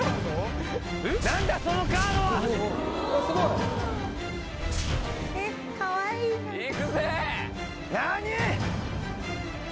何だそのカードはいくぜ何！？